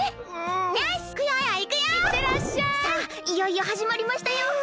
いよいよはじまりましたよ！